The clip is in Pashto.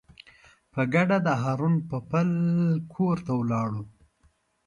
په ګډه د هارون پوپل کور ته ولاړو.